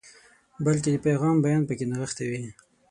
بلکې د پیغام بیان پکې نغښتی وي.